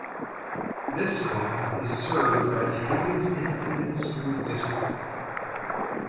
Lipscomb is served by the Higgins Independent School District.